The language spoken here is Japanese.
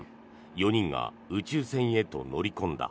４人が宇宙船へと乗り込んだ。